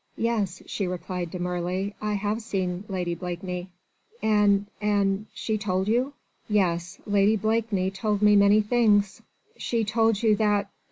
"Yes," she replied demurely, "I have seen Lady Blakeney." "And ... and ... she told you?" "Yes. Lady Blakeney told me many things." "She told you that